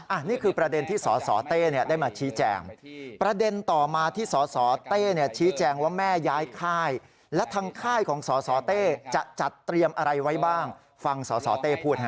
อันนี้คือประเด็นที่สสเต้เนี่ยได้มาชี้แจงประเด็นต่อมาที่สสเต้เนี่ยชี้แจงว่าแม่ย้ายค่ายและทางค่ายของสสเต้จะจัดเตรียมอะไรไว้บ้างฟังสสเต้พูดฮะ